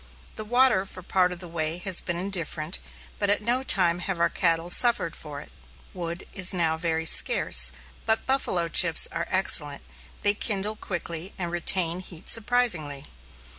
The water for part of the way has been indifferent, but at no time have our cattle suffered for it. Wood is now very scarce, but "buffalo chips" are excellent; they kindle quickly and retain heat surprisingly.